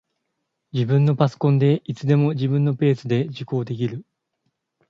自分のパソコンで、いつでも自分のペースで受講できる